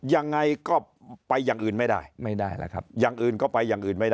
ยังไงก็ไปอย่างอื่นไม่ได้